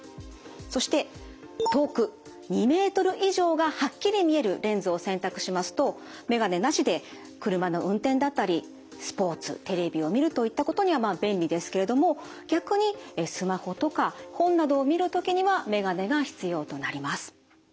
そして遠く２ｍ以上がはっきり見えるレンズを選択しますと眼鏡なしで車の運転だったりスポーツテレビを見るといったことにはまあ便利ですけれども逆にスマホとか本などを見る時には眼鏡が必要となります。